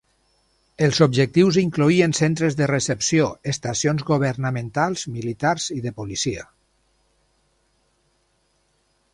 Els objectius incloïen centres de recepció, estacions governamentals, militars i de policia.